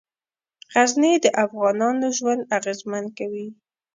غزني د افغانانو ژوند اغېزمن کوي.